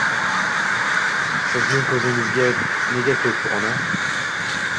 Sizning ko'zingiz nega ko'k, ona?